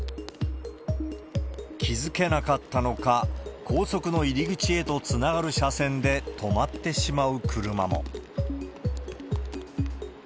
気付けなかったのか、高速の入り口へとつながる車線で止まってしまう車も。